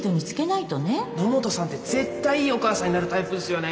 野本さんって絶対いいお母さんになるタイプっすよね。